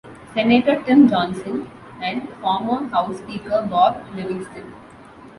Senator Tim Johnson, and former House Speaker Bob Livingston.